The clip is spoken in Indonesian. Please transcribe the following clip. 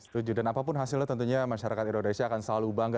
setuju dan apapun hasilnya tentunya masyarakat indonesia akan selalu bangga